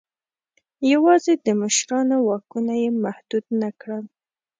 یوازې د مشرانو واکونه یې محدود نه کړل.